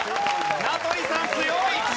名取さん強い！